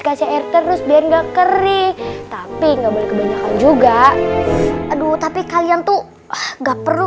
kasih air terus biar enggak kering tapi nggak boleh kebanyakan juga aduh tapi kalian tuh nggak perlu